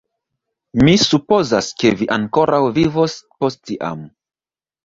Mi supozas, ke vi ankoraŭ vivos post tiam.